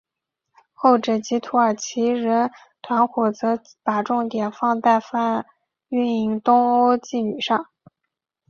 后者即土耳其人团伙则把重点放在贩运东欧妓女上。